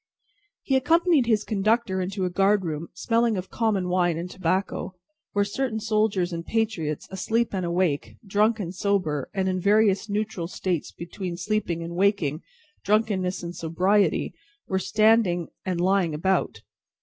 He accompanied his conductor into a guard room, smelling of common wine and tobacco, where certain soldiers and patriots, asleep and awake, drunk and sober, and in various neutral states between sleeping and waking, drunkenness and sobriety, were standing and lying about.